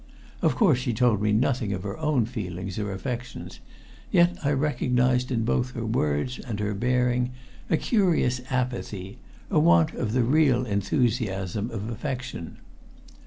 Of course she told me nothing of her own feelings or affections, yet I recognized in both her words and her bearing a curious apathy a want of the real enthusiasm of affection.